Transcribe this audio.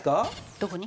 どこに？